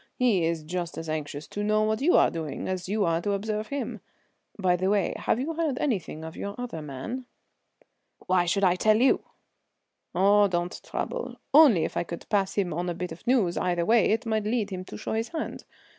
He is just as anxious to know what you are doing as you are to observe him. By the way, have you heard anything of your other man?" "Why should I tell you?" "Oh, don't trouble; only if I could pass him on a bit of news either way it might lead him to show his hand.